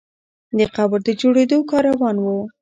د قبر د جوړېدو کار روان وو.